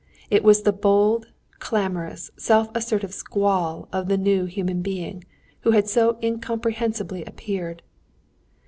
It was the bold, clamorous, self assertive squall of the new human being, who had so incomprehensibly appeared.